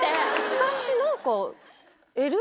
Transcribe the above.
私何か。